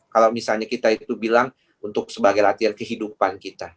kalau misalnya kita itu bilang untuk sebagai latihan kehidupan kita